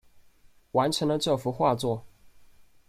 完成了这幅画作